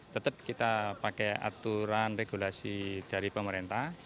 tetap kita pakai aturan regulasi dari pemerintah